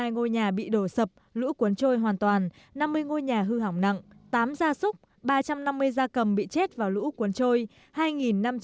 ba mươi hai ngôi nhà bị đổ sập lũ cuốn trôi hoàn toàn năm mươi ngôi nhà hư hỏng nặng tám gia súc ba trăm năm mươi gia cầm bị chết vào lũ cuốn trôi hai năm trăm chín mươi ha cây trồng bị ống ngập